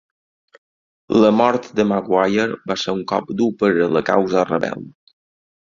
La mort de Maguire va ser un cop dur per a la causa rebel.